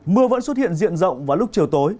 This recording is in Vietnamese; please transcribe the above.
mưa vẫn xuất hiện diện rộng vào lúc chiều tối